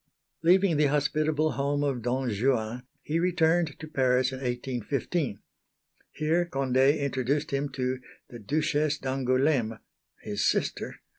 Leaving the hospitable home of Don Juan, he returned to Paris in 1815. Here Condé introduced him to the Duchesse d'Angoulême (his sister!)